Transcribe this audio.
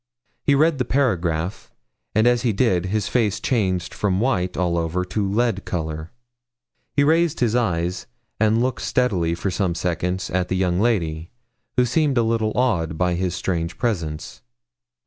He read the paragraph, and as he did his face changed from white, all over, to lead colour. He raised his eyes, and looked steadily for some seconds at the young lady, who seemed a little awed by his strange presence.